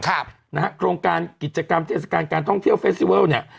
ครับนะฮะโครงการกิจกรรมเทศกาลการท่องเที่ยวเฟสติเวิลเนี่ย